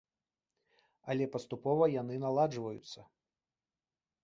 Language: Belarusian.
Але паступова яны наладжваюцца.